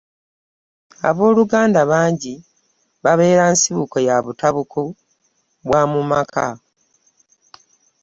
Abooluganda bangi babeera nsibuko ya butabanguko bwa mu maka.